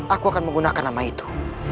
aku akan menggunakan nama itu